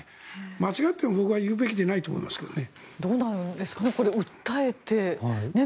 間違っても僕は言うべきでないと思いますけどね。